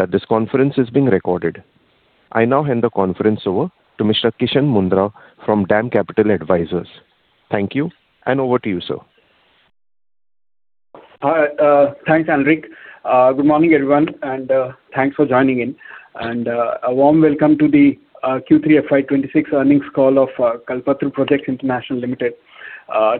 Note that this conference is being recorded. I now hand the conference over to Mr. Kishan Mundhra from DAM Capital Advisors. Thank you, and over to you, sir. Hi, thanks, Henrik. Good morning, everyone, and thanks for joining in. A warm welcome to the Q3 FY 2026 earnings call of Kalpataru Projects International Limited.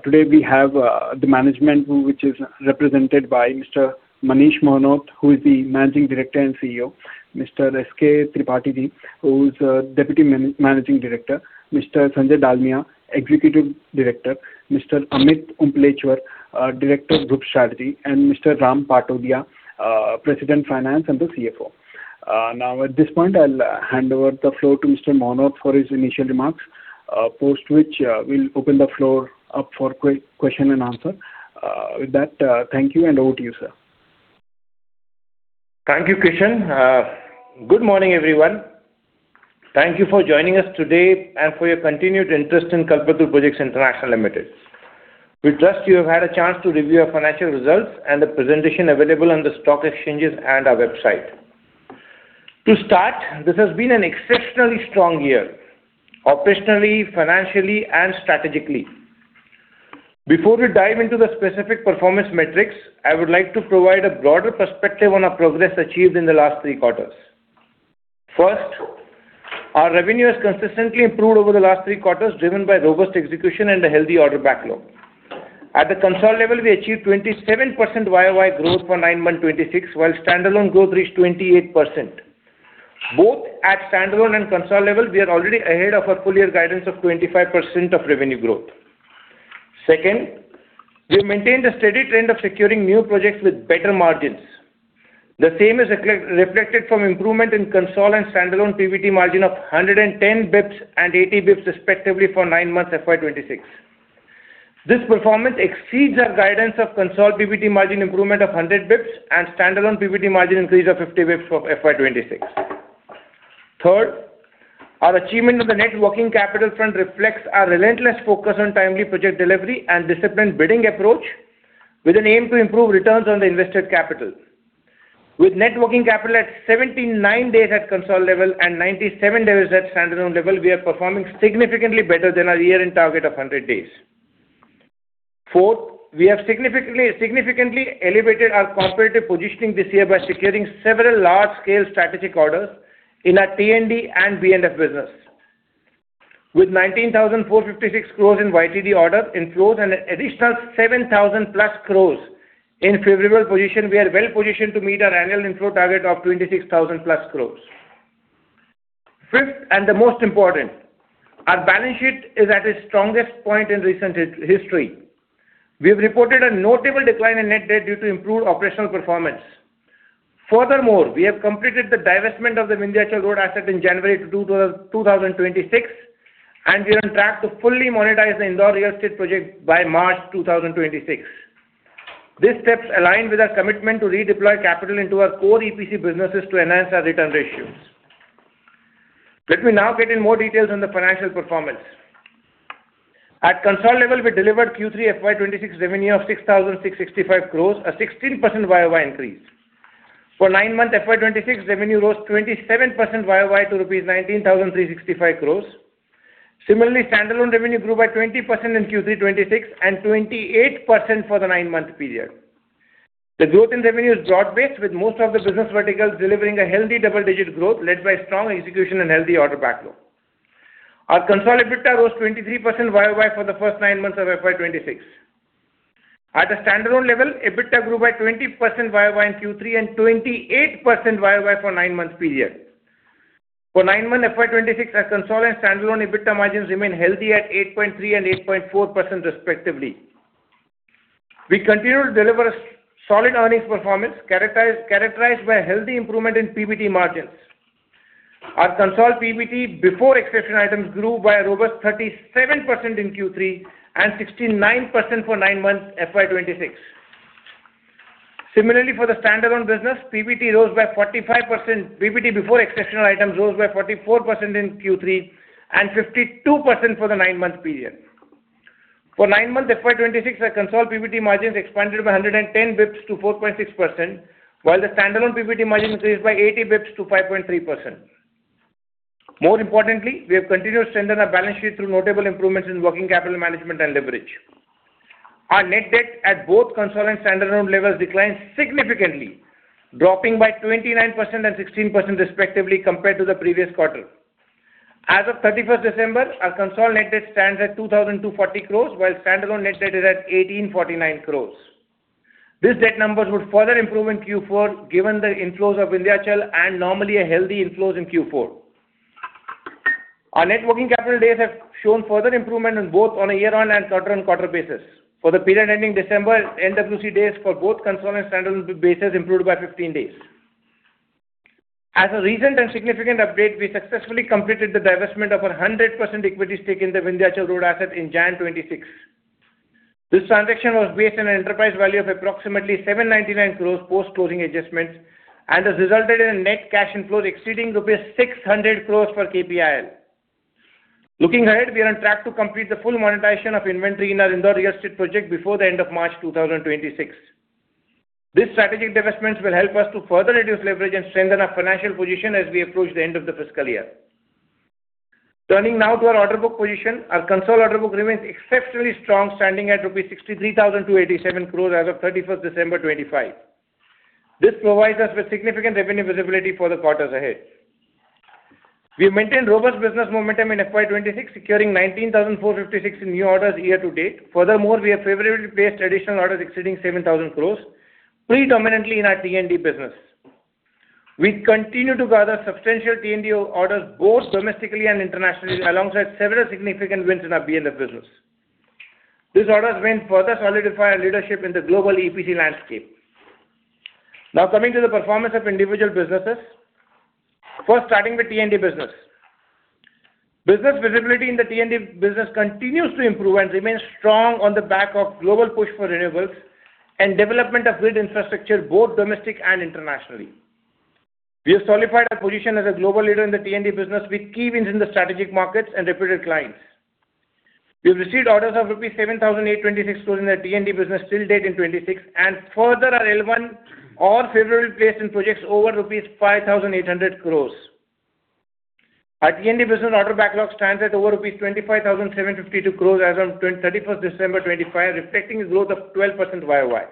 Today we have the management, which is represented by Mr. Manish Mohnot, who is the Managing Director and CEO; Mr. S.K. Tripathi, who is Deputy Managing Director; Mr. Sanjay Dalmia, Executive Director; Mr. Amit Uplenchwar, Director, Group Strategy; and Mr. Ram Patodia, President, Finance, and the CFO. Now, at this point, I'll hand over the floor to Mr. Mohnot for his initial remarks, post which, we'll open the floor up for question and answer. With that, thank you, and over to you, sir. Thank you, Kishan. Good morning, everyone. Thank you for joining us today and for your continued interest in Kalpataru Projects International Limited. We trust you have had a chance to review our financial results and the presentation available on the stock exchanges and our website. To start, this has been an exceptionally strong year, operationally, financially and strategically. Before we dive into the specific performance metrics, I would like to provide a broader perspective on our progress achieved in the last three quarters. First, our revenue has consistently improved over the last three quarters, driven by robust execution and a healthy order backlog. At the consolidated level, we achieved 27% YOY growth for nine months 2026, while standalone growth reached 28%. Both at standalone and consolidated level, we are already ahead of our full-year guidance of 25% of revenue growth. Second, we maintained a steady trend of securing new projects with better margins. The same is reflected from improvement in consolidated and standalone PBT margin of 110 basis points and 80 basis points, respectively, for nine months FY 2026. This performance exceeds our guidance of consolidated PBT margin improvement of 100 basis points and standalone PBT margin increase of 50 basis points for FY 2026. Third, our achievement on the net working capital front reflects our relentless focus on timely project delivery and disciplined bidding approach, with an aim to improve returns on the invested capital. With net working capital at 79 days at consolidated level and 97 days at standalone level, we are performing significantly better than our year-end target of 100 days. Fourth, we have significantly elevated our corporate positioning this year by securing several large-scale strategic orders in our T&D and B&F business. With 19,456 crore in YTD order inflows and an additional 7,000+ crore in favorable position, we are well-positioned to meet our annual inflow target of 26,000+ crore. Fifth, and the most important, our balance sheet is at its strongest point in recent history. We have reported a notable decline in net debt due to improved operational performance. Furthermore, we have completed the divestment of the Vindhyachal Road asset in January 2026, and we are on track to fully monetize the Indore real estate project by March 2026. These steps align with our commitment to redeploy capital into our core EPC businesses to enhance our return ratios. Let me now go into more details on the financial performance. At consolidated level, we delivered Q3 FY 2026 revenue of 6,665 crore, a 16% YOY increase. For nine months FY 2026, revenue rose 27% YOY to rupees 19,365 crore. Similarly, standalone revenue grew by 20% in Q3 26 and 28% for the nine-month period. The growth in revenue is broad-based, with most of the business verticals delivering a healthy double-digit growth, led by strong execution and healthy order backlog. Our consolidated EBITDA rose 23% YOY for the first nine months of FY 2026. At the standalone level, EBITDA grew by 20% YOY in Q3 and 28% YOY for nine months period. For nine-month FY 2026, our consolidated and standalone EBITDA margins remain healthy at 8.3% and 8.4% respectively. We continue to deliver a solid earnings performance, characterized by a healthy improvement in PBT margins. Our consolidated PBT before exceptional items grew by a robust 37% in Q3 and 69% for nine months FY 2026. Similarly, for the standalone business, PBT before exceptional items rose by 44% in Q3 and 52% for the nine-month period. For nine months FY 2026, our consolidated PBT margins expanded by 110 basis points to 4.6%, while the standalone PBT margin increased by 80 basis points to 5.3%. More importantly, we have continued to strengthen our balance sheet through notable improvements in working capital management and leverage. Our net debt at both consolidated and standalone levels declined significantly, dropping by 29% and 16% respectively compared to the previous quarter. As of 31st December, our consolidated net debt stands at 2,240 crores, while standalone net debt is at 1,849 crores. These debt numbers would further improve in Q4, given the inflows of Vindhyachal and normally a healthy inflows in Q4. Our net working capital days have shown further improvement in both on a year-on-year and quarter-on-quarter basis. For the period ending December, NWC days for both consolidated and standalone basis improved by 15 days. As a recent and significant update, we successfully completed the divestment of our 100% equity stake in the Vindhyachal Road asset in January 2026. This transaction was based on an enterprise value of approximately 799 crores post-closing adjustments, and has resulted in a net cash inflow exceeding rupees 600 crores for KPIL. Looking ahead, we are on track to complete the full monetization of inventory in our Indore real estate project before the end of March 2026. These strategic divestments will help us to further reduce leverage and strengthen our financial position as we approach the end of the fiscal year. Turning now to our order book position. Our consolidated order book remains exceptionally strong, standing at 63,287 crores rupees as of December 31, 2025. This provides us with significant revenue visibility for the quarters ahead. We have maintained robust business momentum in FY 2026, securing 19,456 crores in new orders year to date. Furthermore, we have favorably placed traditional orders exceeding 7,000 crore, predominantly in our T&D business. We continue to gather substantial T&D orders, both domestically and internationally, alongside several significant wins in our B&F business. These orders will further solidify our leadership in the global EPC landscape. Now, coming to the performance of individual businesses. First, starting with T&D business. Business visibility in the T&D business continues to improve and remains strong on the back of global push for renewables and development of grid infrastructure, both domestic and internationally. We have solidified our position as a global leader in the T&D business with key wins in the strategic markets and reputed clients. We've received orders of rupees 7,826 crore in the T&D business till date in 2026, and further are relevant or favorably placed in projects over rupees 5,800 crore. Our T&D business order backlog stands at over rupees 25,752 crore as on 31 December 2025, reflecting a growth of 12% YOY.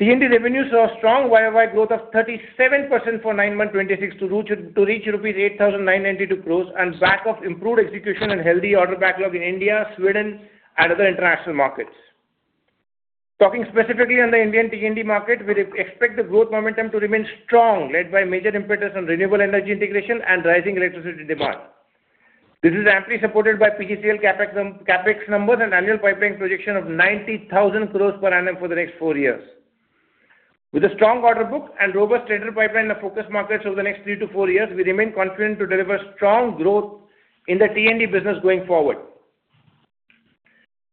T&D revenues saw a strong YOY growth of 37% for nine months 2026, to reach rupees 8,992 crore, on the back of improved execution and healthy order backlog in India, Sweden, and other international markets. Talking specifically on the Indian T&D market, we expect the growth momentum to remain strong, led by major impetus on renewable energy integration and rising electricity demand. This is amply supported by PGCIL CapEx numbers and annual pipeline projection of 90,000 crore per annum for the next four years. With a strong order book and robust tender pipeline in the focus markets over the next three to four years, we remain confident to deliver strong growth in the T&D business going forward.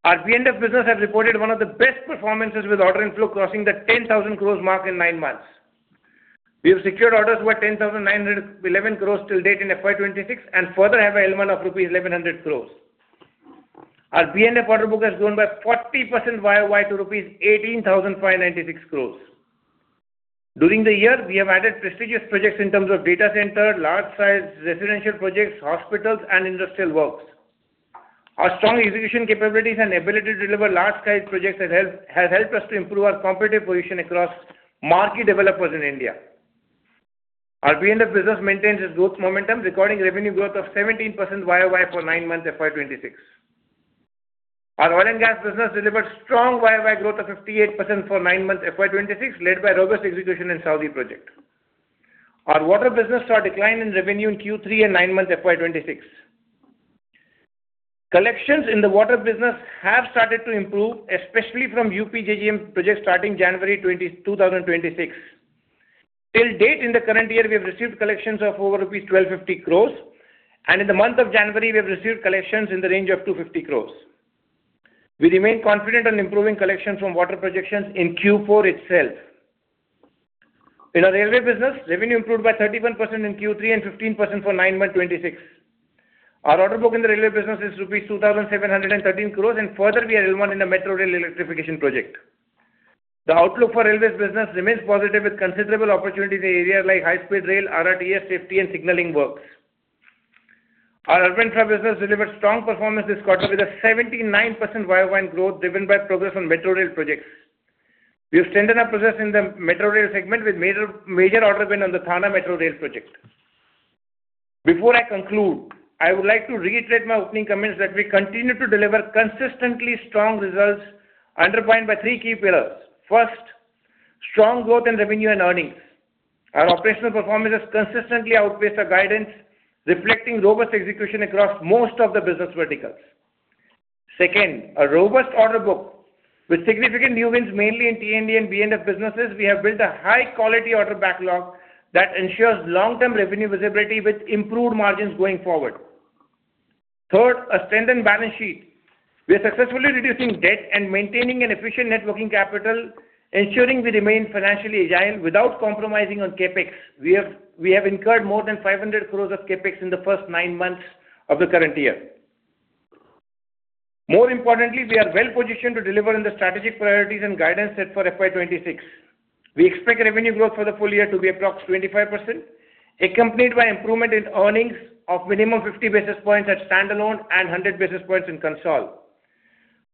Our B&F business has reported one of the best performances, with order inflow crossing the 10,000 crore mark in nine months. We have secured orders worth 10,911 crore till date in FY 2026, and further have an element of rupees 1,100 crore. Our B&F order book has grown by 40% YOY to rupees 18,596 crore. During the year, we have added prestigious projects in terms of data center, large-size residential projects, hospitals, and industrial works. Our strong execution capabilities and ability to deliver large-scale projects has helped us to improve our competitive position across marquee developers in India. Our B&F business maintains its growth momentum, recording revenue growth of 17% YOY for nine months FY 2026. Our oil and gas business delivered strong YOY growth of 58% for nine months FY 2026, led by robust execution in Saudi project. Our water business saw a decline in revenue in Q3 and nine months FY 2026. Collections in the water business have started to improve, especially from UPJJM project, starting January 20, 2026. To date in the current year, we have received collections of over rupees 1,250 crore, and in the month of January, we have received collections in the range of 250 crore. We remain confident on improving collections from water projects in Q4 itself. In our railway business, revenue improved by 31% in Q3 and 15% for nine months 26. Our order book in the railway business is rupees 2,713 crore, and further, we are relevant in the metro rail electrification project. The outlook for railways business remains positive, with considerable opportunity in the area, like high-speed rail, RRTS, safety, and signaling works. Our urban business delivered strong performance this quarter, with 79% YOY growth, driven by progress on metro rail projects. We have strengthened our position in the metro rail segment with major, major order win on the Thane metro rail project. Before I conclude, I would like to reiterate my opening comments that we continue to deliver consistently strong results, underpinned by three key pillars. First, strong growth in revenue and earnings. Our operational performance has consistently outpaced our guidance, reflecting robust execution across most of the business verticals. Second, a robust order book. With significant new wins, mainly in T&D and B&F businesses, we have built a high-quality order backlog that ensures long-term revenue visibility with improved margins going forward. Third, a strengthened balance sheet. We are successfully reducing debt and maintaining an efficient net working capital, ensuring we remain financially agile without compromising on CapEx. We have incurred more than 500 crore of CapEx in the first nine months of the current year. More importantly, we are well-positioned to deliver on the strategic priorities and guidance set for FY 2026. We expect revenue growth for the full-year to be approx 25%, accompanied by improvement in earnings of minimum 50 basis points at standalone and 100 basis points in consol.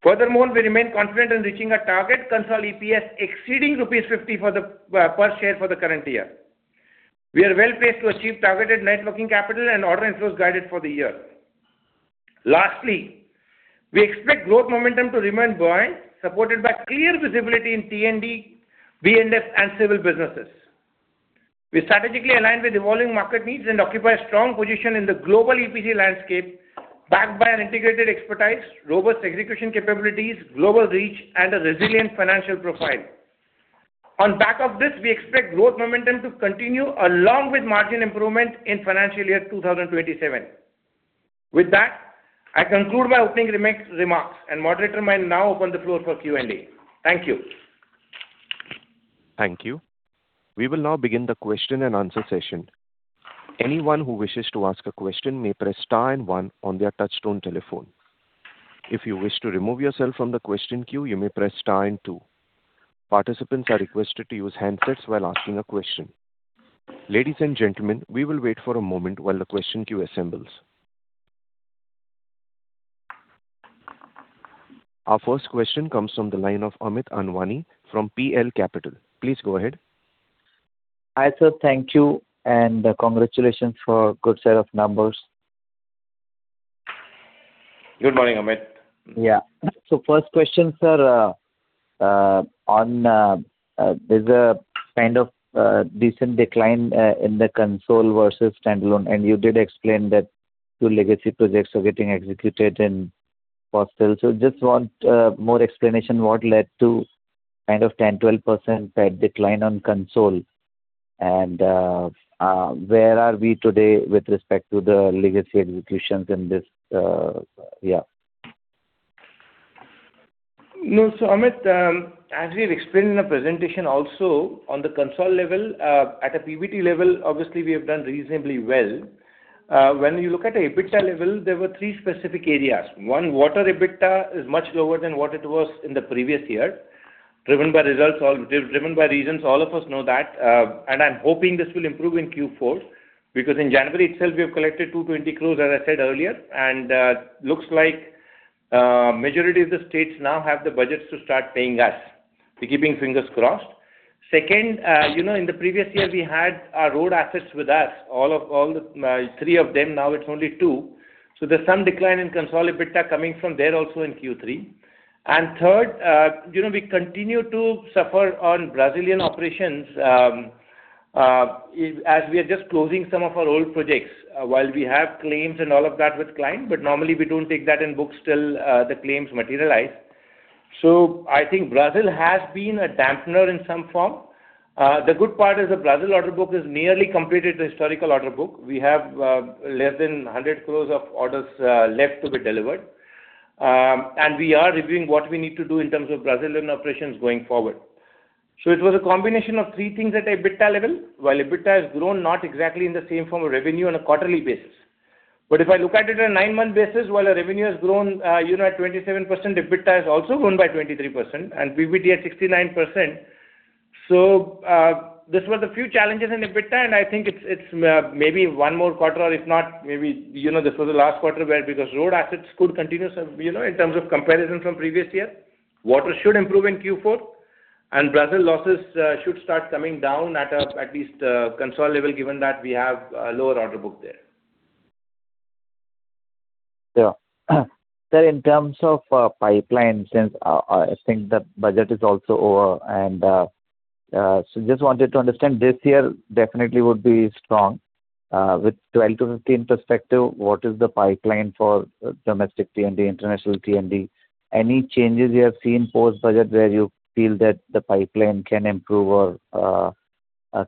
Furthermore, we remain confident in reaching our target consol EPS exceeding rupees 50 per share for the current year. We are well-placed to achieve targeted net working capital and order inflows guided for the year. Lastly, we expect growth momentum to remain buoyant, supported by clear visibility in T&D, B&F, and civil businesses. We strategically align with evolving market needs and occupy a strong position in the global EPC landscape, backed by an integrated expertise, robust execution capabilities, global reach, and a resilient financial profile. On back of this, we expect growth momentum to continue along with margin improvement in financial year 2027. With that, I conclude my opening remarks, and moderator may now open the floor for Q&A. Thank you! ...Thank you. We will now begin the question and answer session. Anyone who wishes to ask a question may press star and one on their touchtone telephone. If you wish to remove yourself from the question queue, you may press star and two. Participants are requested to use handsets while asking a question. Ladies and gentlemen, we will wait for a moment while the question queue assembles. Our first question comes from the line of Amit Anwani from PL Capital. Please go ahead. Hi, sir. Thank you, and, congratulations for good set of numbers. Good morning, Amit. Yeah. So first question, sir, on, there's a kind of decent decline in the consolidated versus standalone, and you did explain that two legacy projects are getting executed in Fasttel. So just want more explanation what led to kind of 10%-12% decline on consolidated, and where are we today with respect to the legacy executions in this, yeah. No. So, Amit, as we've explained in the presentation also, on the consolidated level, at a PBT level, obviously we have done reasonably well. When you look at the EBITDA level, there were three specific areas. One, water EBITDA is much lower than what it was in the previous year, driven by results, all driven by reasons all of us know that, and I'm hoping this will improve in Q4, because in January itself, we have collected 220 crores, as I said earlier. And, looks like, majority of the states now have the budgets to start paying us. We're keeping fingers crossed. Second, you know, in the previous year, we had our road assets with us, all of, all the, three of them, now it's only two. So there's some decline in consolidated EBITDA coming from there also in Q3. And third, you know, we continue to suffer on Brazilian operations, as we are just closing some of our old projects, while we have claims and all of that with client, but normally we don't take that in books till the claims materialize. So I think Brazil has been a dampener in some form. The good part is, the Brazil order book has nearly completed the historical order book. We have less than 100 crore of orders left to be delivered. And we are reviewing what we need to do in terms of Brazilian operations going forward. So it was a combination of three things at EBITDA level, while EBITDA has grown not exactly in the same form of revenue on a quarterly basis. But if I look at it on a nine-month basis, while our revenue has grown, you know, at 27%, EBITDA has also grown by 23% and PBT at 69%. So, this was a few challenges in EBITDA, and I think it's, maybe one more quarter, or if not, maybe, you know, this was the last quarter where because road assets could continue, so, you know, in terms of comparison from previous year, water should improve in Q4, and Brazil losses should start coming down at least at a consolidated level, given that we have a lower order book there. Sure. Sir, in terms of pipeline, since I think the budget is also over, and so just wanted to understand, this year definitely would be strong. With 12-15 perspective, what is the pipeline for domestic T&D, international T&D? Any changes you have seen post-budget where you feel that the pipeline can improve or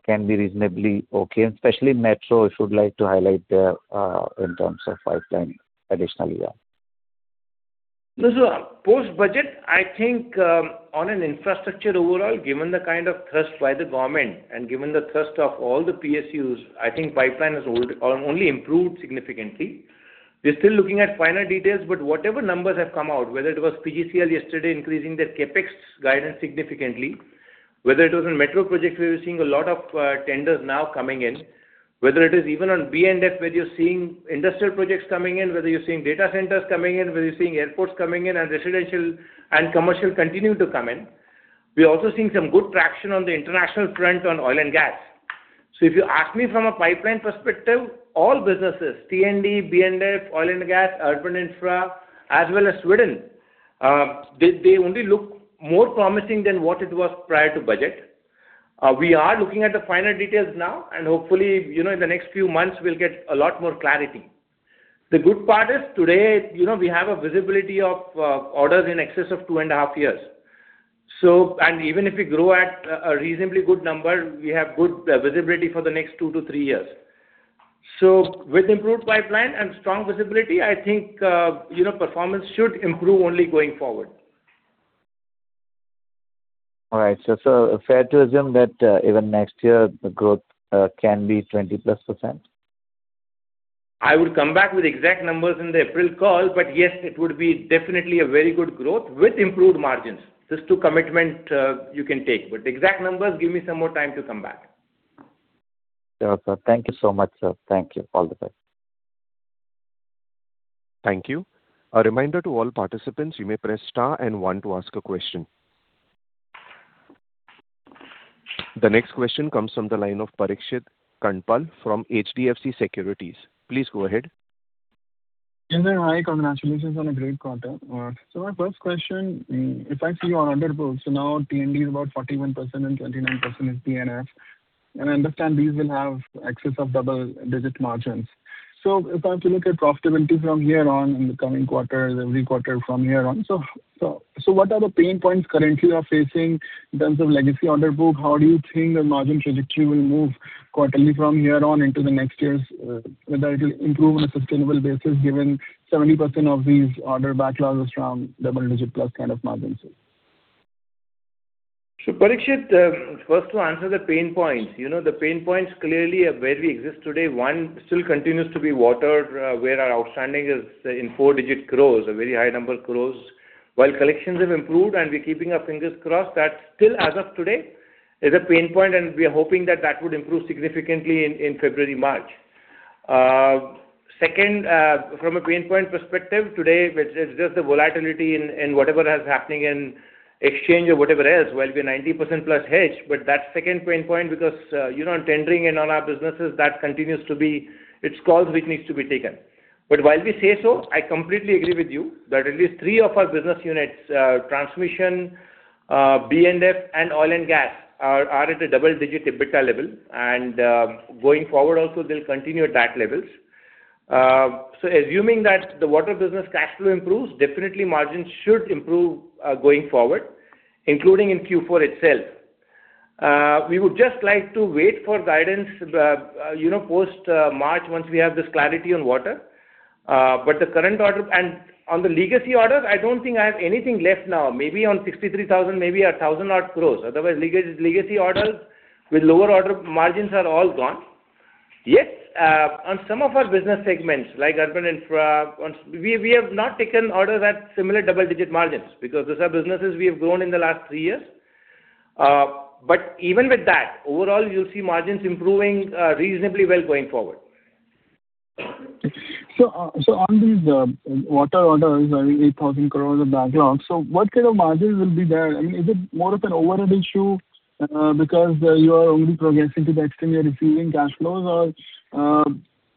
can be reasonably okay, and especially metro, if you would like to highlight there, in terms of pipeline additionally, yeah. No, so post-budget, I think, on an infrastructure overall, given the kind of thrust by the government and given the thrust of all the PSUs, I think pipeline has only improved significantly. We're still looking at finer details, but whatever numbers have come out, whether it was PGCIL yesterday, increasing their CapEx guidance significantly, whether it was in metro projects, we're seeing a lot of tenders now coming in. Whether it is even on B&F, where you're seeing industrial projects coming in, whether you're seeing data centers coming in, whether you're seeing airports coming in, and residential and commercial continue to come in. We are also seeing some good traction on the international front on oil and gas. So if you ask me from a pipeline perspective, all businesses, T&D, B&F, oil and gas, urban infra, as well as Sweden, they only look more promising than what it was prior to budget. We are looking at the finer details now, and hopefully, you know, in the next few months, we'll get a lot more clarity. The good part is, today, you know, we have a visibility of orders in excess of 2.5 years. So, and even if we grow at a reasonably good number, we have good visibility for the next two to three years. So with improved pipeline and strong visibility, I think, you know, performance should improve only going forward. All right. So, sir, fair to assume that even next year, the growth can be 20%+? I would come back with exact numbers in the April call, but yes, it would be definitely a very good growth with improved margins. Just to commitment, you can take, but exact numbers, give me some more time to come back. Sure, sir. Thank you so much, sir. Thank you. All the best. Thank you. A reminder to all participants, you may press star and one to ask a question. The next question comes from the line of Parikshit Kandpal from HDFC Securities. Please go ahead. Hi, congratulations on a great quarter. So my first question, if I see your order book, so now T&D is about 41% and 29% is B&F, and I understand these will have excess of double-digit margins. So if I have to look at profitability from here on in the coming quarters, every quarter from here on, so what are the pain points currently you are facing in terms of legacy order book? How do you think the margin trajectory will move quarterly from here on into the next years? Whether it will improve on a sustainable basis, given 70% of these order backlogs is from double-digit plus kind of margins? So Parikshit, first to answer the pain points. You know, the pain points clearly are where we exist today. One, still continues to be water, where our outstanding is in four-digit crores, a very high number of crores. While collections have improved and we're keeping our fingers crossed, that still, as of today, is a pain point, and we are hoping that that would improve significantly in February, March. Second, from a pain point perspective, today, it's just the volatility in whatever has happening in exchange or whatever else, while we're 90%+ hedged. But that second pain point, because, you know, tendering in all our businesses, that continues to be, it's calls which needs to be taken. But while we say so, I completely agree with you, that at least three of our business units, transmission, B&F, and oil and gas, are at a double-digit EBITDA level, and going forward also, they'll continue at that levels. So assuming that the water business cash flow improves, definitely margins should improve, going forward, including in Q4 itself. We would just like to wait for guidance, you know, post March, once we have this clarity on water. But the current order... On the legacy orders, I don't think I have anything left now. Maybe on 63,000 crore, maybe 1,000-odd crores. Otherwise, legacy, legacy orders with lower order margins are all gone. Yet, on some of our business segments, like urban infra, we have not taken orders at similar double-digit margins, because those are businesses we have grown in the last three years. But even with that, overall, you'll see margins improving, reasonably well going forward. So, on these water orders, I think 8,000 crore of backlog, so what kind of margins will be there? I mean, is it more of an overhead issue, because you are only progressing to the extent you are receiving cash flows? Or,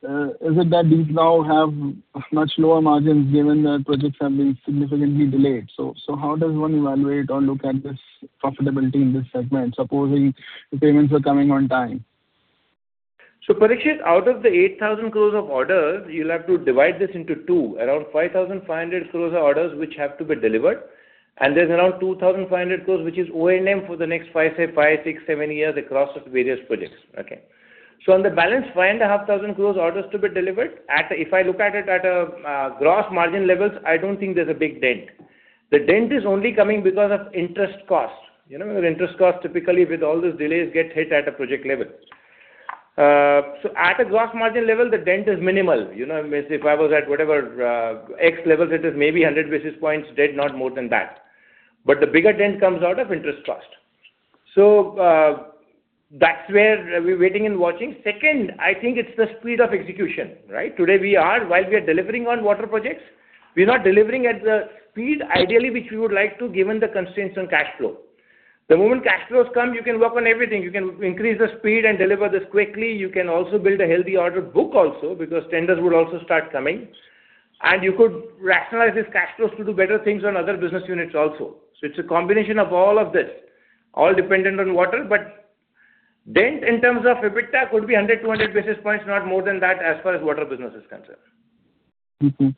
is it that these now have much lower margins, given that projects have been significantly delayed? So, how does one evaluate or look at this profitability in this segment, supposing the payments are coming on time? So Parikshit, out of the 8,000 crore of orders, you'll have to divide this into two. Around 5,500 crore are orders which have to be delivered, and there's around 2,500 crore, which is O&M for the next five, say, five, six, seven years across the various projects, okay? So on the balance, 5,500 crore orders to be delivered, at a, if I look at it at a gross margin levels, I don't think there's a big dent. The dent is only coming because of interest costs. You know, interest costs typically with all those delays, get hit at a project level. So at a gross margin level, the dent is minimal. You know, if I was at whatever X level, it is maybe 100 basis points dent, not more than that. But the bigger dent comes out of interest cost. So, that's where we're waiting and watching. Second, I think it's the speed of execution, right? Today, we are, while we are delivering on water projects, we're not delivering at the speed ideally which we would like to, given the constraints on cash flow. The moment cash flows come, you can work on everything. You can increase the speed and deliver this quickly. You can also build a healthy order book also, because tenders would also start coming. And you could rationalize these cash flows to do better things on other business units also. So it's a combination of all of this, all dependent on water. But dent in terms of EBITDA could be 100-200 basis points, not more than that, as far as water business is concerned. Mm-hmm.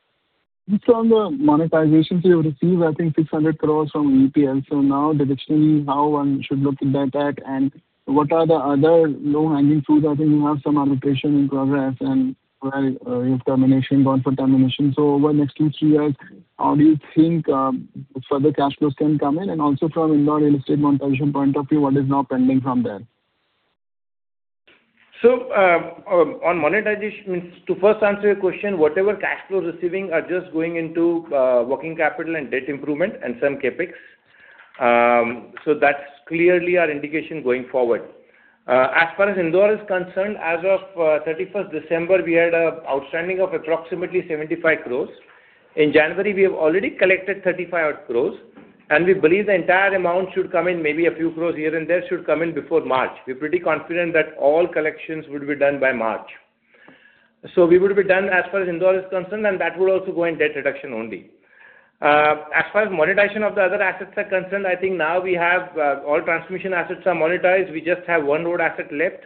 Just on the monetizations, you have received, I think, 600 crore from VEPL. So now, directionally, how one should look at that, and what are the other low-hanging fruits? I think you have some arbitration in progress, and, well, you've termination, gone for termination. So over the next two, three years, how do you think further cash flows can come in? And also from Indore real estate monetization point of view, what is now pending from there? So, on monetization, to first answer your question, whatever cash flow receiving are just going into working capital and debt improvement and some CapEx. So that's clearly our indication going forward. As far as Indore is concerned, as of 31st December, we had a outstanding of approximately 75 crores. In January, we have already collected 35-odd crores, and we believe the entire amount should come in, maybe INR a few crores here and there, should come in before March. We're pretty confident that all collections would be done by March. So we would be done as far as Indore is concerned, and that would also go in debt reduction only. As far as monetization of the other assets are concerned, I think now we have all transmission assets are monetized. We just have one road asset left.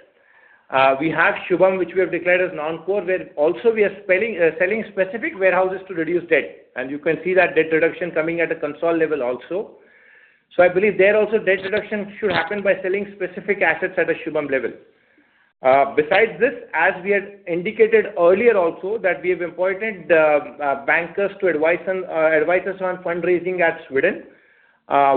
We have Shubham, which we have declared as non-core, where also we are selling specific warehouses to reduce debt. And you can see that debt reduction coming at a consolidated level also. So I believe there also, debt reduction should happen by selling specific assets at a Shubham level. Besides this, as we had indicated earlier also, that we have appointed bankers to advise us on fundraising at Sweden,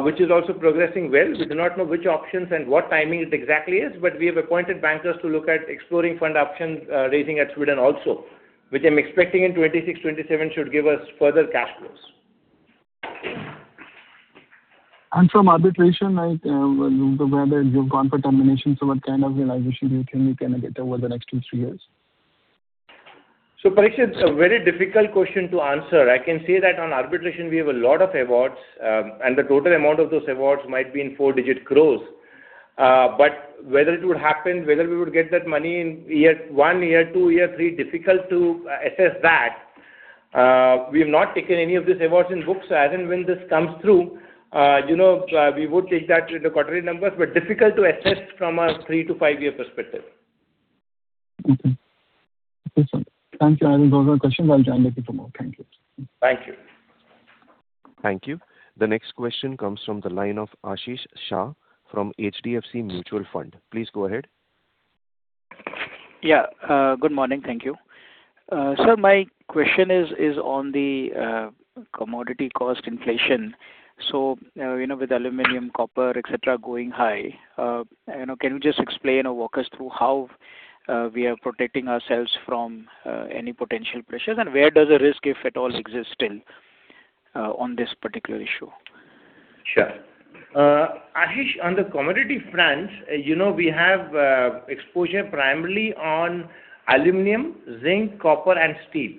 which is also progressing well. We do not know which options and what timing it exactly is, but we have appointed bankers to look at exploring fundraising options at Sweden also, which I'm expecting in 2026, 2027, should give us further cash flows. From arbitration, right, whether you've gone for termination, so what kind of realization do you think you can get over the next two, three years? So Parikshit, it's a very difficult question to answer. I can say that on arbitration, we have a lot of awards, and the total amount of those awards might be in four-digit crores INR. But whether it would happen, whether we would get that money in year one, year two, year three, difficult to assess that. We have not taken any of these awards in books. As and when this comes through, you know, we would take that in the quarterly numbers, but difficult to assess from a three-to-five-year perspective. Okay. Thanks, sir. I have no more questions. I'll join later for more. Thank you. Thank you. Thank you. The next question comes from the line of Ashish Shah from HDFC Mutual Fund. Please go ahead. ...Yeah, good morning. Thank you. Sir, my question is on the commodity cost inflation. So, you know, with aluminum, copper, et cetera, going high, you know, can you just explain or walk us through how we are protecting ourselves from any potential pressures? And where does the risk, if it all exists still, on this particular issue? Sure. Ashish, on the commodity front, you know, we have exposure primarily on aluminum, zinc, copper, and steel.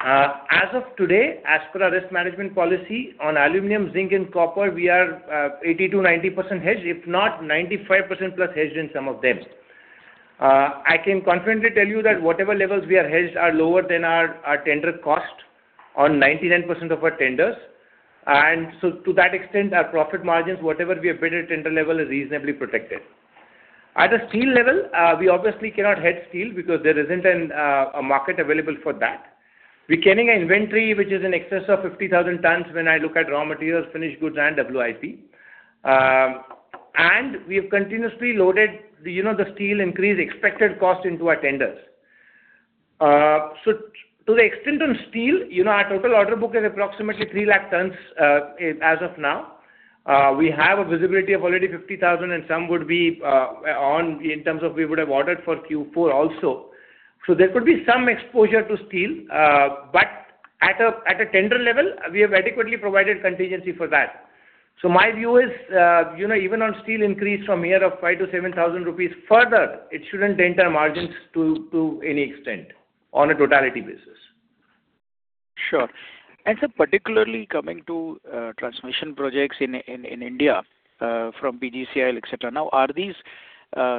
As of today, as per our risk management policy on aluminum, zinc, and copper, we are 80%-90% hedged, if not 95%+ hedged in some of them. I can confidently tell you that whatever levels we are hedged are lower than our tender cost on 99% of our tenders. And so to that extent, our profit margins, whatever we have bid at tender level, is reasonably protected. At a steel level, we obviously cannot hedge steel because there isn't a market available for that. We're carrying an inventory which is in excess of 50,000 tons when I look at raw materials, finished goods, and WIP. And we have continuously loaded the, you know, the steel increase expected cost into our tenders. So to the extent on steel, you know, our total order book is approximately 300,000 tons, as of now. We have a visibility of already 50,000, and some would be on in terms of we would have ordered for Q4 also. So there could be some exposure to steel, but at a tender level, we have adequately provided contingency for that. So my view is, you know, even on steel increase from here of 5,000-7,000 rupees further, it shouldn't dent our margins to any extent on a totality basis. Sure. And sir, particularly coming to transmission projects in India from PGCIL, et cetera. Now, are these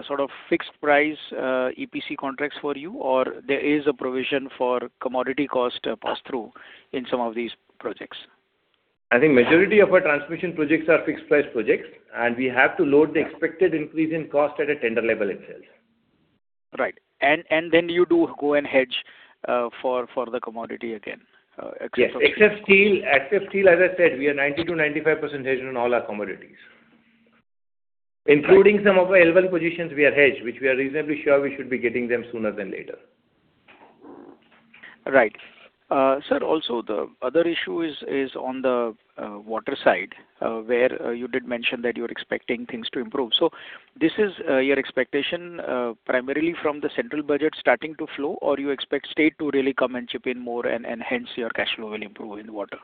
sort of fixed price EPC contracts for you, or there is a provision for commodity cost pass-through in some of these projects? I think majority of our transmission projects are fixed price projects, and we have to load the expected increase in cost at a tender level itself. Right. And then you do go and hedge for the commodity again, except for- Yes, except steel. Except steel, as I said, we are 90%-95% hedged on all our commodities. Including some of our L1 positions, we are hedged, which we are reasonably sure we should be getting them sooner than later. Right. Sir, also, the other issue is on the water side, where you did mention that you're expecting things to improve. So this is your expectation, primarily from the central budget starting to flow, or you expect state to really come and chip in more and hence your cash flow will improve in water?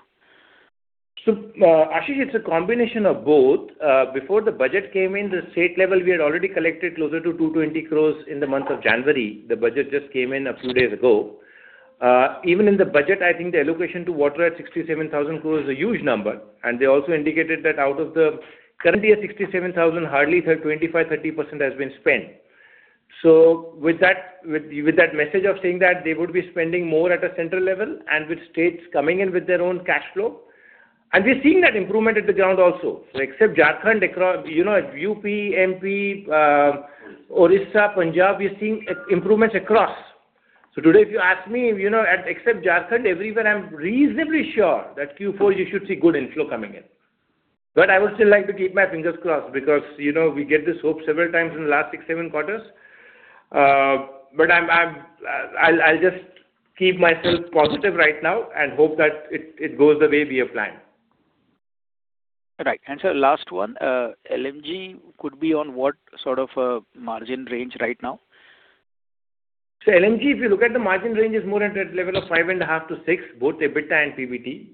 Ashish, it's a combination of both. Before the budget came in, the state level, we had already collected closer to 220 crore in the month of January. The budget just came in a few days ago. Even in the budget, I think the allocation to water at 67,000 crore is a huge number, and they also indicated that out of the... Currently at 67,000 crore, hardly 25%-30% has been spent. So with that, with that message of saying that they would be spending more at a central level and with states coming in with their own cash flow, and we're seeing that improvement at the ground also. So except Jharkhand, across, you know, UP, MP, Orissa, Punjab, we are seeing improvements across. So today, if you ask me, you know, except Jharkhand, everywhere I'm reasonably sure that Q4 you should see good inflow coming in. But I would still like to keep my fingers crossed, because, you know, we get this hope several times in the last six, seven quarters. But I'll just keep myself positive right now and hope that it goes the way we have planned. Right. And sir, last one. LMG could be on what sort of a margin range right now? So LMG, if you look at the margin range, is more at a level of 5.5%-6%, both EBITDA and PBT.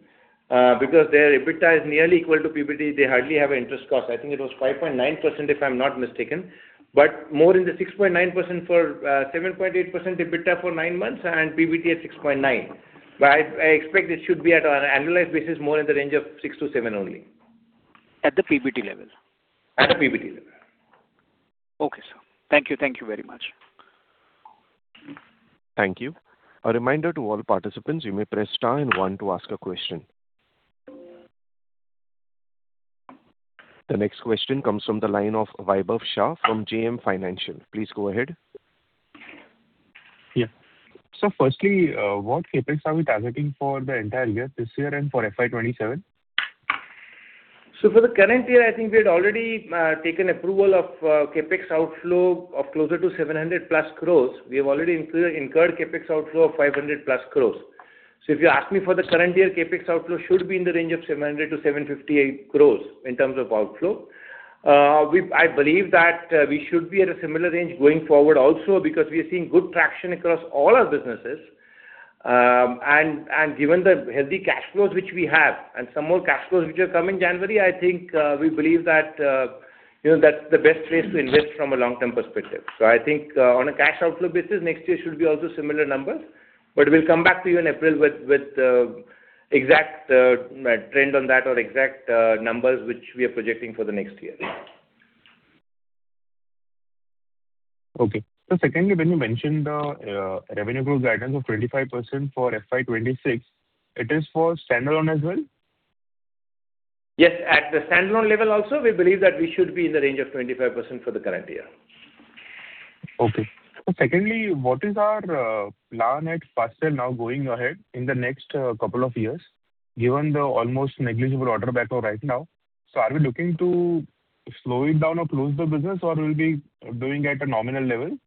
Because their EBITDA is nearly equal to PBT, they hardly have interest costs. I think it was 5.9%, if I'm not mistaken, but more in the 6.9% for 7.8% EBITDA for nine months and PBT at 6.9%. But I, I expect it should be at an annualized basis, more in the range of 6%-7% only. At the PBT level? At the PBT level. Okay, sir. Thank you. Thank you very much. Thank you. A reminder to all participants, you may press star and one to ask a question. The next question comes from the line of Vaibhav Shah from JM Financial. Please go ahead. Yeah. So firstly, what CapEx are we targeting for the entire year, this year and for FY 2027? So for the current year, I think we had already taken approval of CapEx outflow of closer to 700+ crores. We have already incurred CapEx outflow of 500+ crores. So if you ask me for the current year, CapEx outflow should be in the range of 700 crores-758 crores in terms of outflow. I believe that we should be at a similar range going forward also, because we are seeing good traction across all our businesses. And given the healthy cash flows which we have and some more cash flows which have come in January, I think we believe that you know that's the best place to invest from a long-term perspective. So I think, on a cash outflow basis, next year should be also similar numbers, but we'll come back to you in April with exact trend on that or exact numbers which we are projecting for the next year. Okay. Secondly, when you mentioned revenue growth guidance of 25% for FY 2026, it is for standalone as well? Yes, at the standalone level also, we believe that we should be in the range of 25% for the current year. Okay. So secondly, what is our plan at Fasttel now going ahead in the next couple of years? Given the almost negligible order backlog right now, so are we looking to slow it down or close the business, or we'll be doing at a nominal level?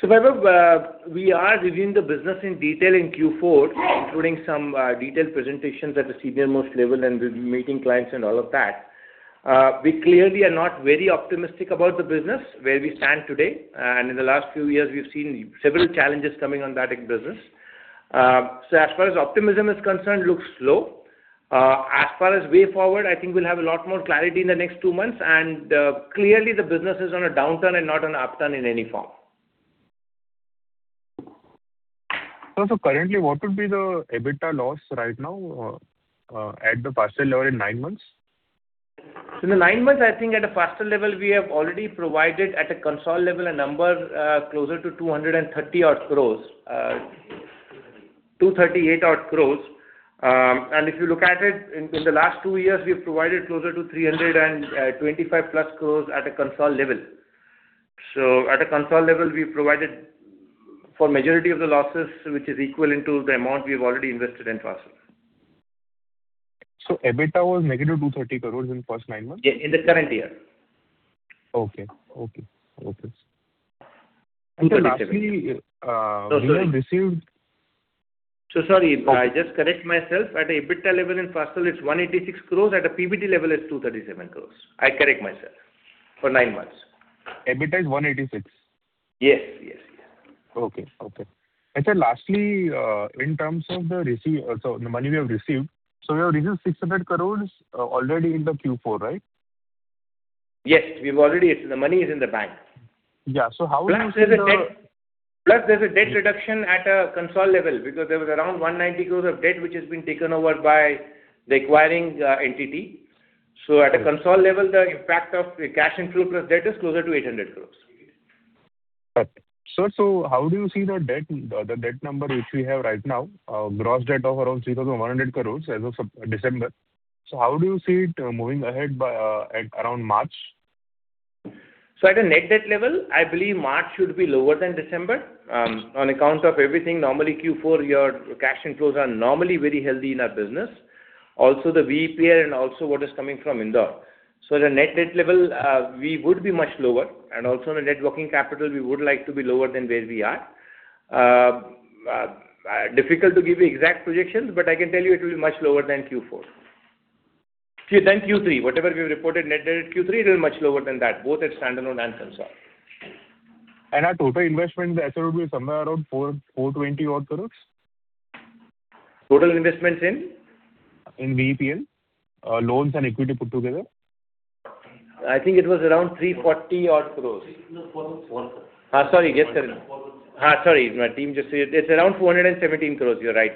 So Vaibhav, we are reviewing the business in detail in Q4, including some detailed presentations at the senior-most level, and we're meeting clients and all of that. We clearly are not very optimistic about the business where we stand today, and in the last few years we've seen several challenges coming on that business. So as far as optimism is concerned, looks slow. As far as way forward, I think we'll have a lot more clarity in the next two months, and clearly the business is on a downturn and not an upturn in any form. So, currently, what would be the EBITDA loss right now at the Fasttel level in nine months? In the nine months, I think at a Fasttel level, we have already provided at a consolidated level, a number closer to 230-odd crores. 238-odd crores. And if you look at it, in the last two years, we've provided closer to 325+ crores at a consolidated level. So at a consolidated level, we've provided for majority of the losses, which is equivalent to the amount we've already invested in Fasttel. EBITDA was negative 230 crores in first nine months? Yeah, in the current year. Okay. Okay, okay. INR 237 crores. And lastly, you have received- Sorry, I just correct myself. Okay. At the EBITDA level in Fasttel, it's 186 crores, at a PBT level, it's 237 crores. I correct myself, for nine months. EBITDA is 186 crore? Yes, yes. Okay, okay. And sir, lastly, in terms of the receive, so the money we have received, so we have received 600 crore already in the Q4, right? Yes, we've already... The money is in the bank. Yeah, so how is the- Plus, there's a debt, plus there's a debt reduction at a consolidated level, because there was around 190 crores of debt, which has been taken over by the acquiring entity. Okay. So at a consolidated level, the impact of the cash inflow plus debt is closer to 800 crores. Got it. Sir, so how do you see the debt, the debt number, which we have right now, gross debt of around 0-100 crores as of September-December? So how do you see it, moving ahead by, at around March? So at a net debt level, I believe March should be lower than December. On account of everything, normally Q4, your cash inflows are normally very healthy in our business. Also, the VEPL and also what is coming from Indore. So the net debt level, we would be much lower, and also the net working capital, we would like to be lower than where we are. Difficult to give you exact projections, but I can tell you it will be much lower than Q4. Than Q3, whatever we reported net debt at Q3, it is much lower than that, both at standalone and consolidated. Our total investment, as I said, would be somewhere around 420-odd crores? Total investments in? In VEPL, loans and equity put together. I think it was around 340-odd crores. 400 crores. Sorry. Yes, sir. INR 400 crores. Sorry, my team just said it's around 417 crore. You're right,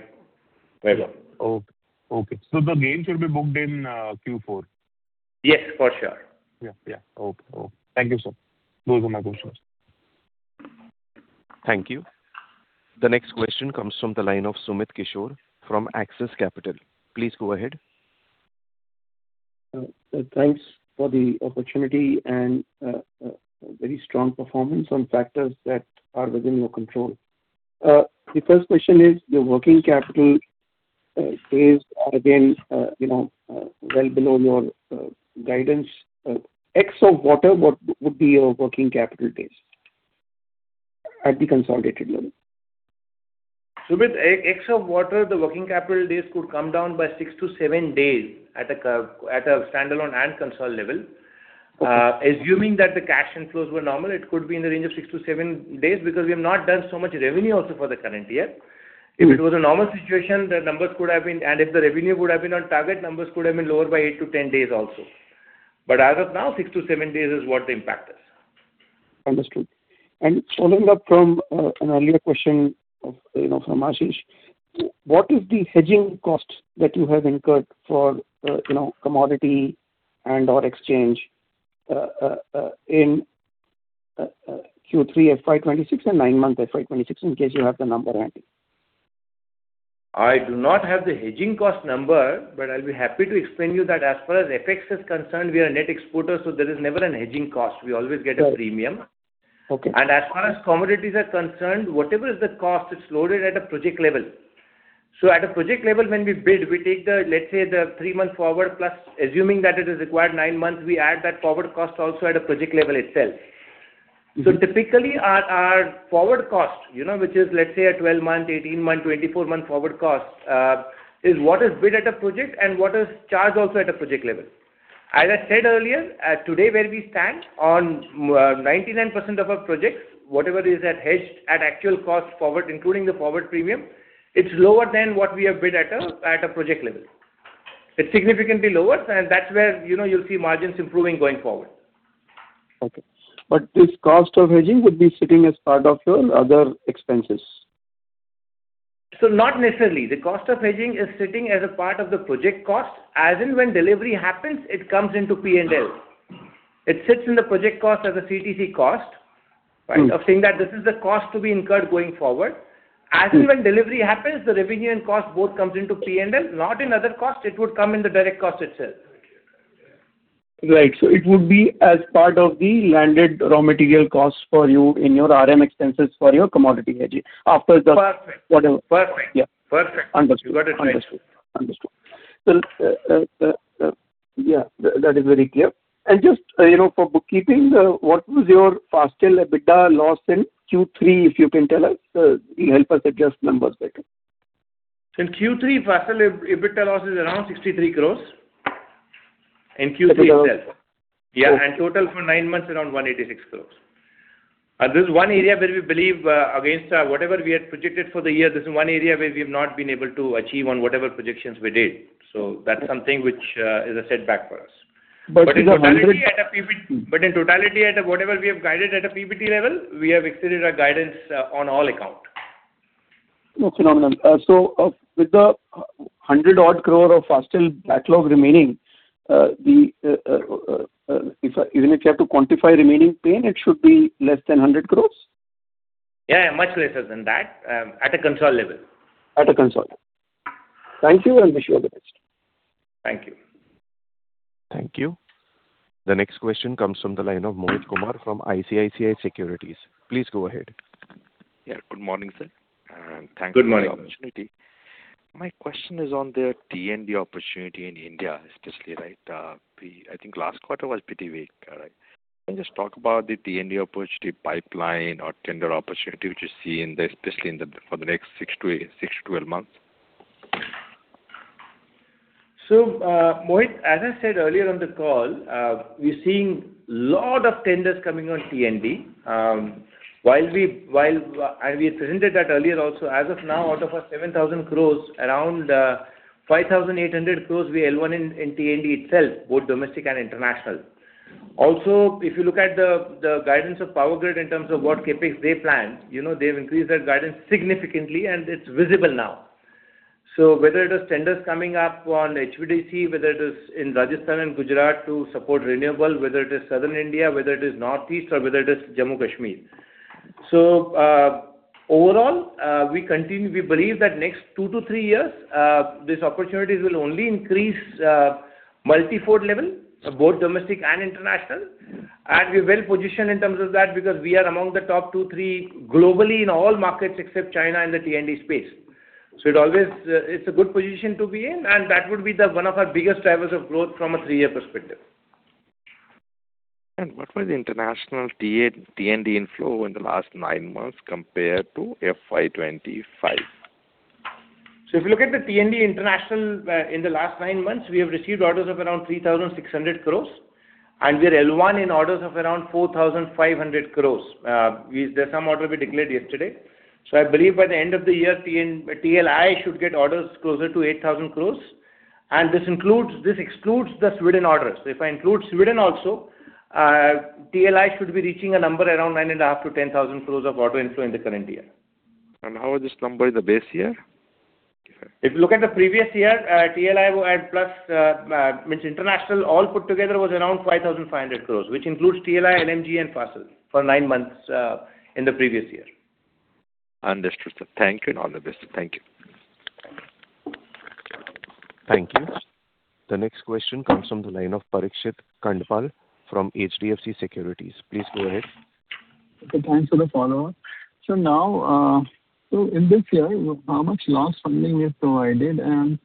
Vaibhav. Okay, okay. So the gain should be booked in Q4? Yes, for sure. Yeah, yeah. Okay, cool. Thank you, sir. Those are my questions. Thank you. The next question comes from the line of Sumit Kishore from Axis Capital. Please go ahead. Thanks for the opportunity and very strong performance on factors that are within your control. The first question is, your working capital days are again, you know, well below your guidance. Ex of water, what would be your working capital days at the consolidated level? Sumit, ex water, the working capital days could come down by six to seven days at a current standalone and consolidated level. Assuming that the cash inflows were normal, it could be in the range of six to seven days, because we have not done so much revenue also for the current year. If it was a normal situation, the numbers could have been, and if the revenue would have been on target, numbers could have been lower by eight to 10 days also. But as of now, six to seven days is what the impact is. Understood. And following up from an earlier question of, you know, from Ashish, what is the hedging costs that you have incurred for, you know, commodity and/or exchange, in Q3 FY 2026 and nine months FY 2026, in case you have the number ready? I do not have the hedging cost number, but I'll be happy to explain you that as far as FX is concerned, we are a net exporter, so there is never a hedging cost. We always get a premium. Okay. As far as commodities are concerned, whatever is the cost, it's loaded at a project level. So at a project level, when we bid, we take the, let's say, the three-month forward, plus assuming that it is required nine months, we add that forward cost also at a project level itself. Mm-hmm. So typically, our forward cost, you know, which is, let's say, a 12-month, 18-month, 24-month forward cost, is what is bid at a project and what is charged also at a project level. As I said earlier, today, where we stand on 99% of our projects, whatever is hedged at actual cost forward, including the forward premium, it's lower than what we have bid at a project level. It's significantly lower, and that's where, you know, you'll see margins improving going forward. Okay. But this cost of hedging would be sitting as part of your other expenses? Not necessarily. The cost of hedging is sitting as a part of the project cost, as in when delivery happens, it comes into P&L. It sits in the project cost as a CTC cost, right? Mm-hmm. Of saying that this is the cost to be incurred going forward. As and when delivery happens, the revenue and cost both comes into P&L, not in other costs. It would come in the direct cost itself. ... Right. So it would be as part of the landed raw material costs for you in your RM expenses for your commodity, Ajay, after the- Perfect. Whatever. Perfect. Yeah. Perfect. Understood. You got it right. Understood. Understood. So, yeah, that, that is very clear. And just, you know, for bookkeeping, what was your Fasttel EBITDA loss in Q3, if you can tell us? It will help us adjust numbers better. In Q3, Fasttel EBITDA loss is around 63 crore in Q3 itself. INR 63 crores. Yeah, and total for nine months, around 186 crores. This is one area where we believe, against whatever we had projected for the year, this is one area where we have not been able to achieve on whatever projections we did. So that's something which is a setback for us. But with INR 100- But in totality, at whatever we have guided at a PBT level, we have exceeded our guidance on all accounts. Okay, phenomenal. So, with the 100-odd crore of Fasttel backlog remaining, even if you have to quantify remaining pain, it should be less than 100 crores? Yeah, yeah, much lesser than that, at a console level. At a console. Thank you, and wish you all the best. Thank you. Thank you. The next question comes from the line of Mohit Kumar from ICICI Securities. Please go ahead. Yeah, good morning, sir, and thank you- Good morning. for the opportunity. My question is on the T&D opportunity in India, especially, right? The I think last quarter was pretty weak, right? Can you just talk about the T&D opportunity pipeline or tender opportunity, which you see in the, especially in the, for the next six to eight, six to 12 months? So, Mohit, as I said earlier on the call, we're seeing a lot of tenders coming on T&D. And we had presented that earlier also. As of now, out of our 7,000 crore, around 5,800 crore, we are L1 in T&D itself, both domestic and international. Also, if you look at the guidance of Power Grid in terms of what CapEx they planned, you know, they've increased their guidance significantly, and it's visible now. So whether it is tenders coming up on HVDC, whether it is in Rajasthan and Gujarat to support renewable, whether it is Southern India, whether it is Northeast, or whether it is Jammu and Kashmir. So, overall, we continue, we believe that next two to three years, these opportunities will only increase, multi-fold level, both domestic and international. And we're well-positioned in terms of that, because we are among the top two, three globally in all markets except China and the T&D space. So it always, it's a good position to be in, and that would be the one of our biggest drivers of growth from a three-year perspective. What was the international T&D inflow in the last nine months compared to FY 2025? So if you look at the T&D international, in the last nine months, we have received orders of around 3,600 crores, and we are L1 in orders of around 4,500 crores. There's some order we declared yesterday. So I believe by the end of the year, TLI should get orders closer to 8,000 crores, and this includes, this excludes the Sweden orders. If I include Sweden also, TLI should be reaching a number around 9,500 crores-10,000 crores of order inflow in the current year. How is this number in the base year? If you look at the previous year, TLI and plus, means international all put together was around 5,500 crore, which includes TLI, LMG and Fasttel for nine months in the previous year. Understood, sir. Thank you, and all the best. Thank you. Thank you. The next question comes from the line of Parikshit Kandpal from HDFC Securities. Please go ahead. Okay, thanks for the follow-up. So now, so in this year, how much loss funding you have provided? And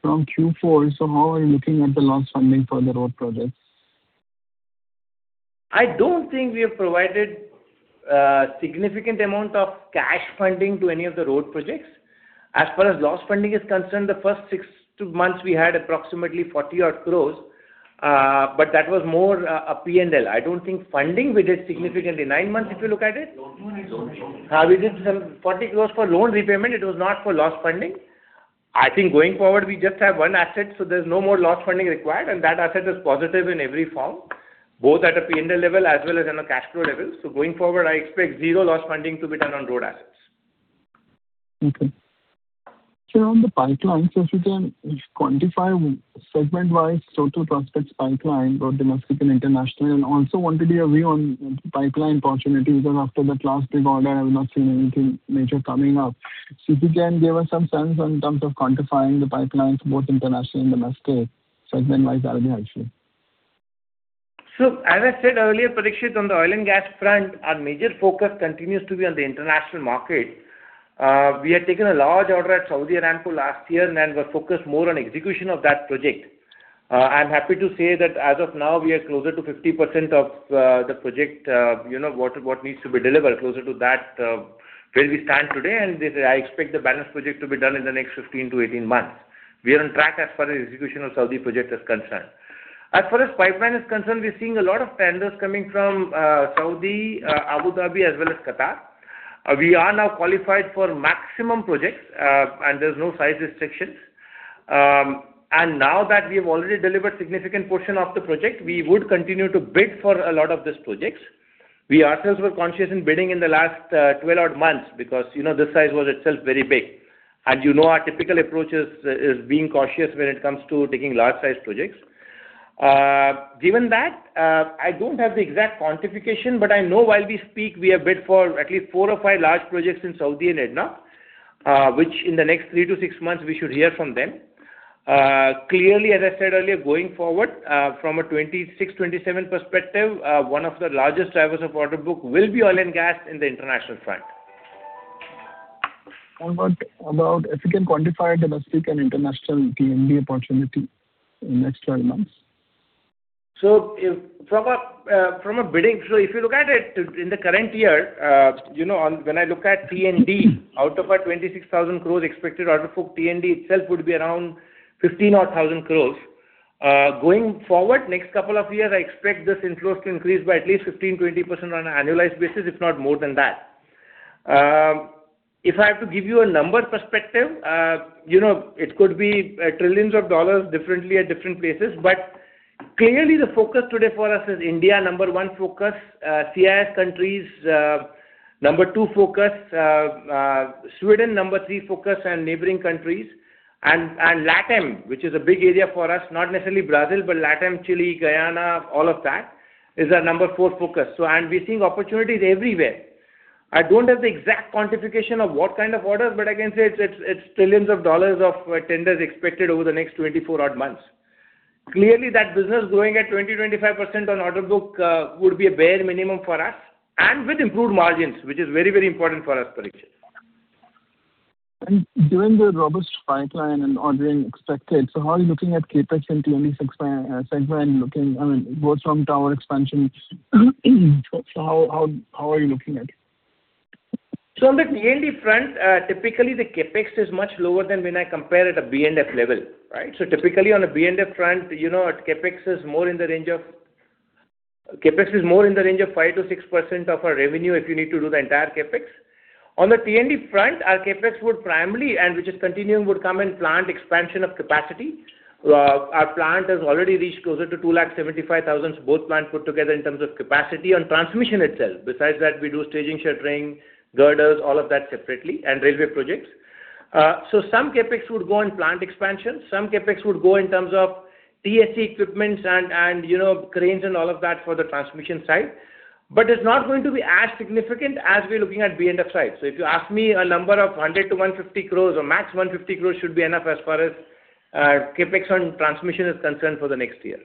from Q4, so how are you looking at the loss funding for the road projects? I don't think we have provided significant amount of cash funding to any of the road projects. As far as loss funding is concerned, the first six months we had approximately 40-odd crores, but that was more a P&L. I don't think funding we did significantly. Nine months, if you look at it? Loan. We did some 40 crore for loan repayment. It was not for loss funding. I think going forward, we just have one asset, so there's no more loss funding required, and that asset is positive in every form, both at a P&L level as well as on a cash flow level. So going forward, I expect zero loss funding to be done on road assets. Okay. So, on the pipeline, if you can quantify segment-wise the prospects pipeline, both domestic and international, and also want to give a view on pipeline opportunities, because after the last big order, I've not seen anything major coming up. So, if you can give us some sense in terms of quantifying the pipelines, both international and domestic, segment-wise, that will be helpful. So as I said earlier, Parikshit, on the oil and gas front, our major focus continues to be on the international market. We had taken a large order at Saudi Aramco last year, and then we're focused more on execution of that project. I'm happy to say that as of now, we are closer to 50% of the project, you know, what needs to be delivered, closer to that, where we stand today, and this, I expect the balance project to be done in the next 15-18 months. We are on track as far as execution of Saudi project is concerned. As far as pipeline is concerned, we're seeing a lot of tenders coming from Saudi, Abu Dhabi, as well as Qatar. We are now qualified for maximum projects, and there's no size restrictions. And now that we have already delivered significant portion of the project, we would continue to bid for a lot of these projects. We ourselves were cautious in bidding in the last 12-odd months, because, you know, this size was itself very big. And you know, our typical approach is being cautious when it comes to taking large size projects. Given that, I don't have the exact quantification, but I know while we speak, we have bid for at least four or five large projects in Saudi and India, which in the next three to six months, we should hear from them. Clearly, as I said earlier, going forward, from a 2026, 2027 perspective, one of the largest drivers of order book will be oil and gas in the international front. What about if you can quantify domestic and international T&D opportunity in the next 12 months? So if you look at it, in the current year, you know, when I look at T&D, out of our 26,000 crore expected order book, T&D itself would be around 15,000 crore. Going forward, next couple of years, I expect this inflows to increase by at least 15%-20% on an annualized basis, if not more than that. If I have to give you a number perspective, you know, it could be trillions of dollars differently at different places. But clearly, the focus today for us is India, number one focus, CIS countries, number two focus, Sweden, number three focus, and neighboring countries, and LatAm, which is a big area for us, not necessarily Brazil, but LatAm, Chile, Guyana, all of that, is our number four focus. We're seeing opportunities everywhere. I don't have the exact quantification of what kind of orders, but I can say it's trillions of dollars of tenders expected over the next 24-odd months. Clearly, that business growing at 20%-25% on order book would be a bare minimum for us, and with improved margins, which is very, very important for us, Parikshit. Given the robust pipeline and ordering expected, so how are you looking at CapEx and T&D segment and looking, I mean, both from tower expansion? So how are you looking at it? So on the T&D front, typically the CapEx is much lower than when I compare at a B&F level, right? So typically, on a B&F front, you know, our CapEx is more in the range of... CapEx is more in the range of 5%-6% of our revenue, if you need to do the entire CapEx. On the T&D front, our CapEx would primarily, and which is continuing, would come in plant expansion of capacity. Our plant has already reached closer to 275,000, both plant put together in terms of capacity on transmission itself. Besides that, we do staging, shuttering, girders, all of that separately, and railway projects. So some CapEx would go on plant expansion, some CapEx would go in terms of TSE equipments and, and, you know, cranes and all of that for the transmission side. But it's not going to be as significant as we're looking at B&F side. So if you ask me, a number of 100 crores-150 crores or max 150 crores should be enough as far as CapEx on transmission is concerned for the next year.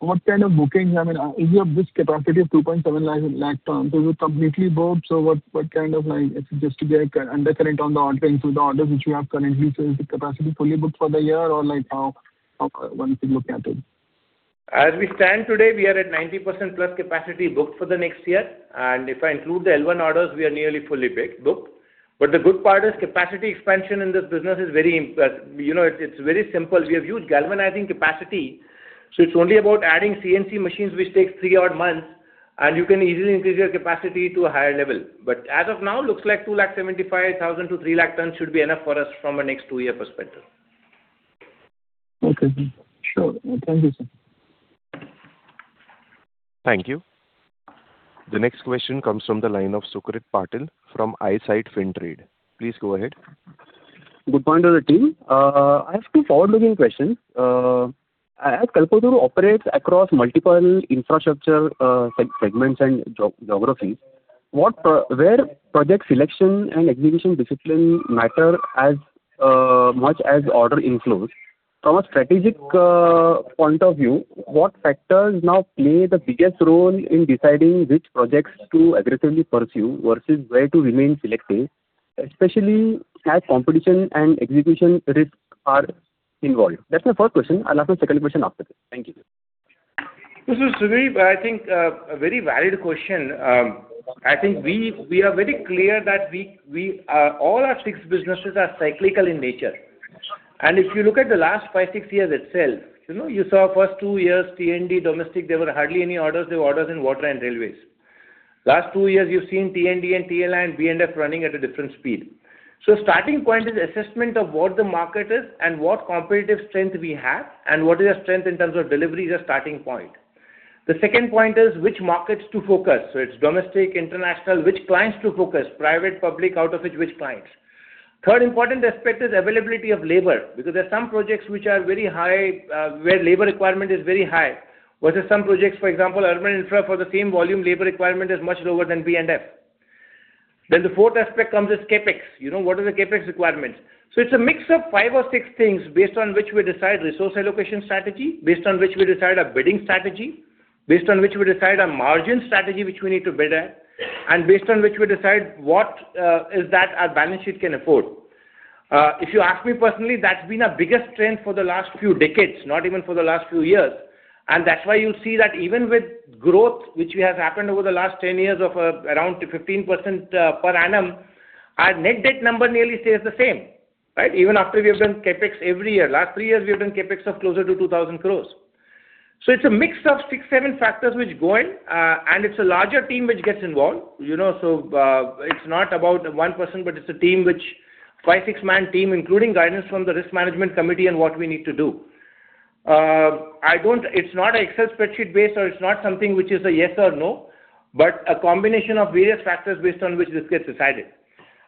What kind of bookings, I mean, is your this capacity of 2.7 lakh tons completely booked? So what kind of like, just to get under current on the order, so the orders which you have currently, so is the capacity fully booked for the year, or like, how one should look at it? As we stand today, we are at 90%+ capacity booked for the next year, and if I include the L1 orders, we are nearly fully booked. The good part is capacity expansion in this business is very important, you know, it's very simple. We have huge galvanizing capacity, so it's only about adding CNC machines, which takes three odd months, and you can easily increase your capacity to a higher level. But as of now, looks like 275,000-300,000 tons should be enough for us from a next two-year perspective. Okay. Sure. Thank you, sir. Thank you. The next question comes from the line of Sucrit Patil from Eyesight Fintrade. Please go ahead. Good morning, all the team. I have two forward-looking questions. As Kalpataru operates across multiple infrastructure segments and geographies, where project selection and execution discipline matter as much as order inflows? From a strategic point of view, what factors now play the biggest role in deciding which projects to aggressively pursue versus where to remain selective, especially as competition and execution risk are involved? That's my first question. I'll ask my second question after this. Thank you. This is very, I think, a very valid question. I think we are very clear that we all our six businesses are cyclical in nature. And if you look at the last five, six years itself, you know, you saw first two years, T&D, domestic, there were hardly any orders, there were orders in water and railways. Last two years, you've seen T&D and TLI and B&F running at a different speed. So starting point is assessment of what the market is and what competitive strength we have, and what is our strength in terms of delivery is our starting point. The second point is which markets to focus. So it's domestic, international, which clients to focus, private, public, out of which, which clients. Third important aspect is availability of labor, because there are some projects which are very high, where labor requirement is very high. Versus some projects, for example, urban infra for the same volume, labor requirement is much lower than B&F. Then the fourth aspect comes as CapEx. You know, what are the CapEx requirements? So it's a mix of five or six things based on which we decide resource allocation strategy, based on which we decide our bidding strategy, based on which we decide our margin strategy, which we need to bid at, and based on which we decide what, is that our balance sheet can afford. If you ask me personally, that's been our biggest trend for the last few decades, not even for the last few years. That's why you'll see that even with growth, which we have happened over the last 10 years of, around 2%-15%, per annum, our net debt number nearly stays the same, right? Even after we have done CapEx every year. Last three years, we've done CapEx of closer to 2,000 crore. So it's a mix of six to seven factors which go in, and it's a larger team which gets involved. You know, so, it's not about one person, but it's a team which five to six-man team, including guidance from the risk management committee on what we need to do. I don't... It's not an Excel spreadsheet based, or it's not something which is a yes or no, but a combination of various factors based on which this gets decided.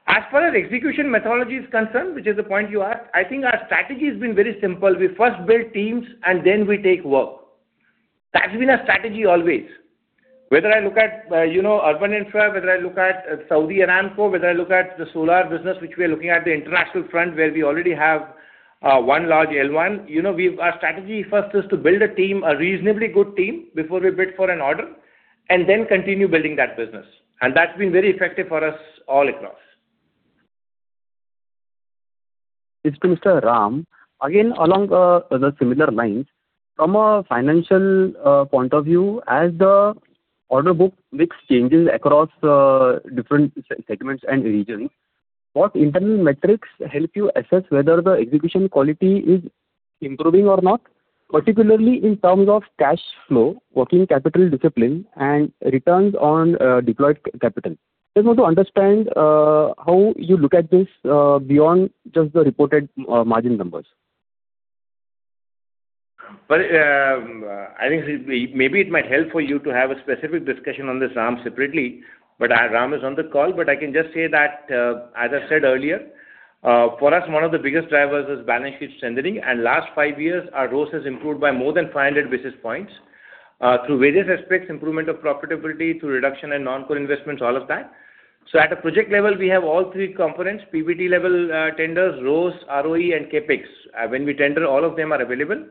As far as execution methodology is concerned, which is the point you asked, I think our strategy has been very simple. We first build teams, and then we take work. That's been our strategy always. Whether I look at, you know, urban infra, whether I look at Saudi Aramco, whether I look at the solar business, which we are looking at the international front, where we already have one large L1. You know, our strategy first is to build a team, a reasonably good team, before we bid for an order, and then continue building that business. And that's been very effective for us all across. It's Mr. Ram. Again, along the similar lines, from a financial point of view, as the order book mix changes across different segments and regions, what internal metrics help you assess whether the execution quality is improving or not, particularly in terms of cash flow, working capital discipline, and returns on deployed capital? Just want to understand how you look at this beyond just the reported margin numbers. But, I think maybe it might help for you to have a specific discussion on this, Ram, separately, but Ram is on the call. But I can just say that, as I said earlier, for us, one of the biggest drivers is balance sheet strengthening. Last five years, our ROCE has improved by more than 500 basis points, through various aspects, improvement of profitability, through reduction in non-core investments, all of that. So at a project level, we have all three components, PBT level, tenders, ROCE, ROE, and CapEx. When we tender, all of them are available.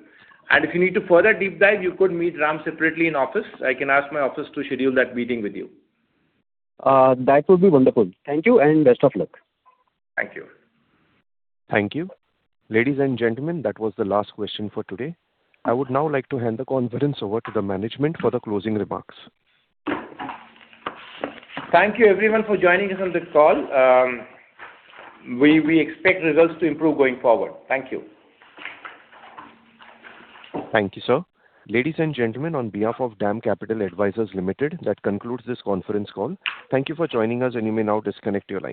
And if you need to further deep dive, you could meet Ram separately in office. I can ask my office to schedule that meeting with you. That would be wonderful. Thank you and best of luck. Thank you. Thank you. Ladies and gentlemen, that was the last question for today. I would now like to hand the conference over to the management for the closing remarks. Thank you everyone for joining us on this call. We expect results to improve going forward. Thank you. Thank you, sir. Ladies and gentlemen, on behalf of DAM Capital Advisors Limited, that concludes this conference call. Thank you for joining us, and you may now disconnect your lines.